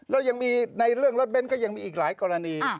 แล้วยังมีในเรื่องรถเบ้นก็ยังมีอีกหลายกรณี